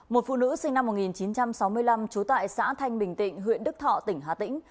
một phụ nữ sinh năm một nghìn chín trăm sáu mươi năm trú tại xã thanh bình tịnh huyện đức thọ tỉnh hà tĩnh